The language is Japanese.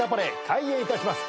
開演いたします。